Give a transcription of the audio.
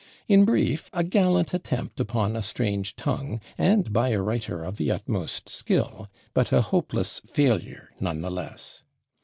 In brief, a gallant attempt upon a strange tongue, and by a writer of the utmost skill but a hopeless failure none the less.